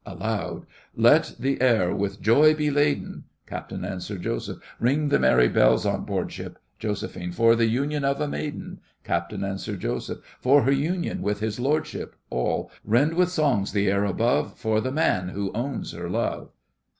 (Aloud.) Let the air with joy be laden. CAPT. and SIR JOSEPH. Ring the merry bells on board ship— JOS. For the union of a maiden— CAPT. and SIR JOSEPH. For her union with his lordship. ALL. Rend with songs the air above For the man who owns her love!